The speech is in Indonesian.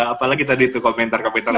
apalagi tadi itu komentar komentarnya